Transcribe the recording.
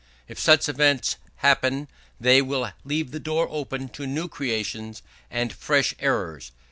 If such events happen, they still leave the door open to new creations and fresh errors.